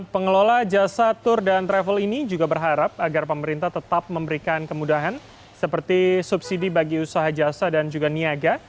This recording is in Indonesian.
pengelola jasa tur dan travel ini juga berharap agar pemerintah tetap memberikan kemudahan seperti subsidi bagi usaha jasa dan juga niaga